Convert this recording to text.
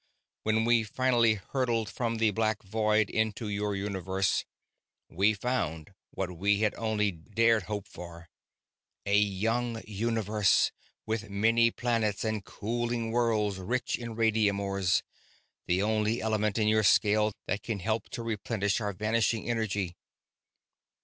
"When we finally hurtled from the black void into your universe, we found what we had only dared hope for: a young universe, with many planets and cooling worlds rich in radium ores, the only element in your scale that can help to replenish our vanishing energy.